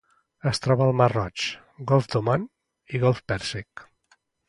Es troba al Mar Roig, Golf d'Oman i Golf Pèrsic.